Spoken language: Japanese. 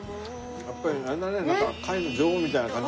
やっぱりあれだねなんか貝の女王みたいな感じするよな。